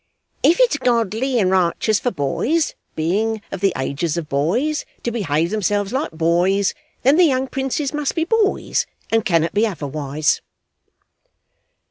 'If it's godly and righteous for boys, being of the ages of boys, to behave themselves like boys, then the young princes must be boys and cannot be otherwise.